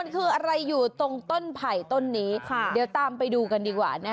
คืออะไรอยู่ตรงต้นไผ่ต้นนี้เดี๋ยวตามไปดูกันดีกว่านะ